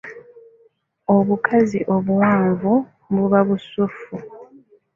Obukazi obuwanvu buba busuffu.